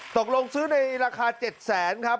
ตกลงซื้อในราคา๗๐๐๐๐๐บาทครับ